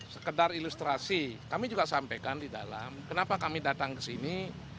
sekedar ilustrasi kami juga sampaikan di dalam kenapa kami datang ke sini